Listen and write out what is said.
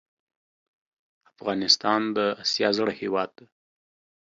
افغانستان د اسیا زړه هیواد ده